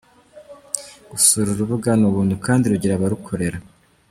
Gusura uru rubuga ni ubuntu kandi rugira abarukorera.